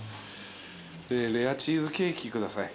でレアチーズケーキ下さい。